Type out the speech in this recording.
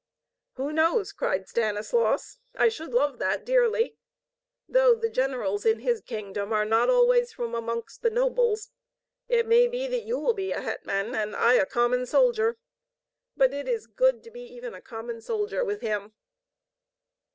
"Who knows!" cried Stanislaus. "I should love that dearly. Though the generals in His kingdom are not always from amongst the nobles. It may be that you will be hetman, and I a common soldier. But it is good to be even a common soldier with Him."